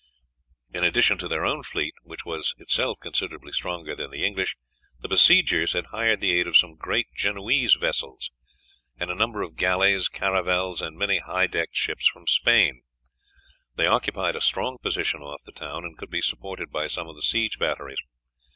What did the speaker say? In addition to their own fleet, which was itself considerably stronger than the English, the besiegers had hired the aid of some great Genoese vessels, and a number of galleys, caravels, and many high decked ships from Spain. They occupied a strong position off the town, and could be supported by some of the siege batteries.